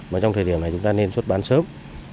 mà trong thời điểm này chúng ta nên xuất bán sớm